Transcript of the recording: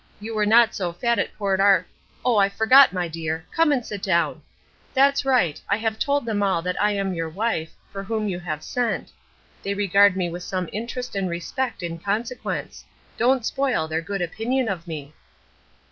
You were not so fat at Port Ar Oh, I forgot, my dear! Come and sit down. That's right. I have told them all that I am your wife, for whom you have sent. They regard me with some interest and respect in consequence. Don't spoil their good opinion of me."